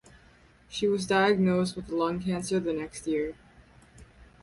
She was diagnosed with lung cancer the next year.